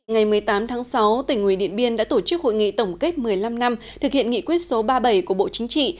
ngày một mươi tám tháng sáu tỉnh nguyễn điện biên đã tổ chức hội nghị tổng kết một mươi năm năm thực hiện nghị quyết số ba mươi bảy của bộ chính trị